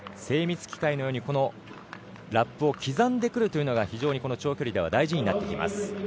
精密機械のようにラップを刻んでくるというのが非常に長距離では大事になってきます。